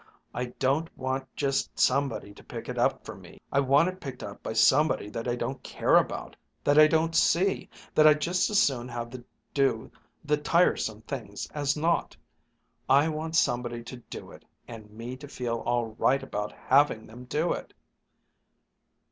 "I don't want just somebody to pick it up for me. I want it picked up by somebody that I don't care about, that I don't see, that I'd just as soon have do the tiresome things as not. I want somebody to do it, and me to feel all right about having them do it!"